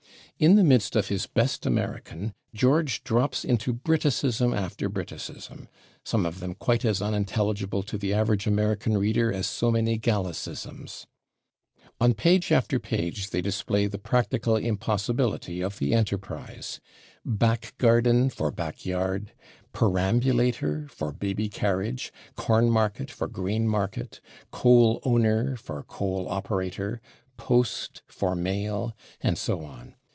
In the midst of his best American, George drops into Briticism after Briticism, some of them quite as unintelligible to the average American reader as so many Gallicisms. On page after page they display the practical impossibility of the enterprise: /back garden/ for /back yard/, /perambulator/ for /baby carriage/, /corn/ market for /grain/ market, coal /owner/ for coal /operator/, /post/ for /mail/, and so on.